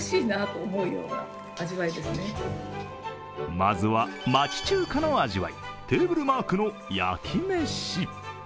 まずは町中華の味わい、テーブルマークの焼めし。